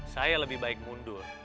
saya lebih baik mundur